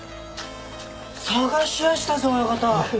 捜しやしたぜ親方